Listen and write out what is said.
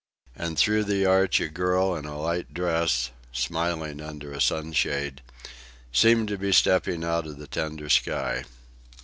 And through the arch a girl in a light dress, smiling under a sunshade, seemed to be stepping out of the tender sky.